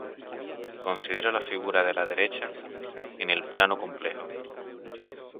Considere la figura de la derecha en el plano complejo.